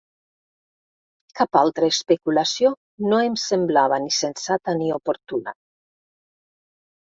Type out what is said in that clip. Cap altra especulació no em semblava ni sensata ni oportuna.